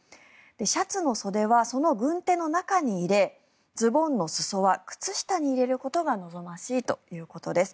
シャツの袖はその軍手の中に入れズボンの裾は靴下に入れることが望ましいということです。